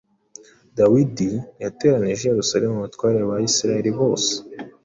Dawidi yateranije i Yerusalemu abatware ba Isirayeli bose,